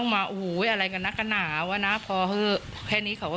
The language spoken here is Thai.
พอให้ไปเขาปิดเครื่องมาละ